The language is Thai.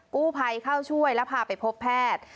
กู้ภัยเข้าช่วยแล้วพาไปพบแพทย์